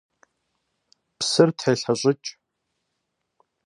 Псыр телъэщӏыкӏ.